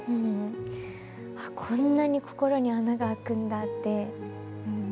こんなに心に穴が開くんだって。